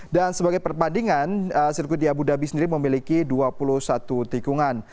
dan sebagai perbandingan sirkuit di abu dhabi sendiri memiliki dua puluh satu tikungan